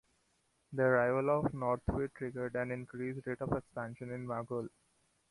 The arrival of Northway triggered an increased rate of expansion in Maghull.